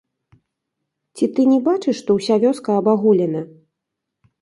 Ці ты не бачыш, што ўся вёска абагулена?